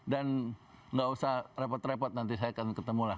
dan tidak usah repot repot nanti saya akan ketemu lah